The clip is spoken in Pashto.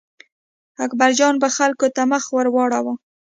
اکبرجان به خلکو ته مخ ور واړاوه.